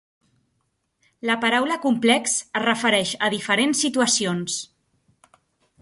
La paraula "complex" es refereix a diferents situacions.